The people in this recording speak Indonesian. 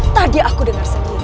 tadi aku dengar sendiri